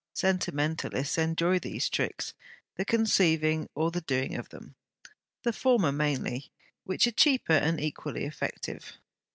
Sentimentalists enjoy these tricks, the conceiving or the doing of them the former mainly, which are cheaper, and equally effective.